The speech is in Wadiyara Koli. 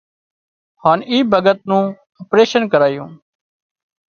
هانَ اِي ڀڳت نُون اپريشين ڪرايون